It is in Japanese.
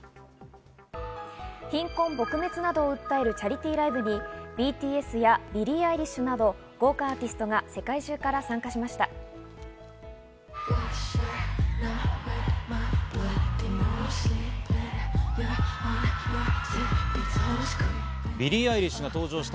貧困撲滅などを訴えるチャリティーライブにＢＴＳやビリー・アイリッシュなど、豪華アーティストが世界中から参加しました。